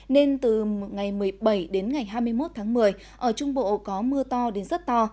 nên từ ngày một mươi bảy đến ngày hai mươi một tháng một mươi ở trung bộ có mưa to đến rất to